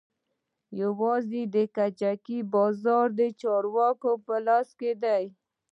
يوازې د کجکي بازار د چارواکو په لاس کښې دى.